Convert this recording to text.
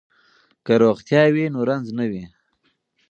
که روغتیا وي نو رنځ نه وي.